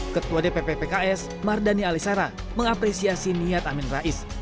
ketua dpp pks mardani alisara mengapresiasi niat amin rais